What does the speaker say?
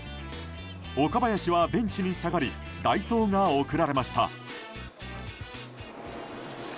岡林はベンチに下がり代走が送られました。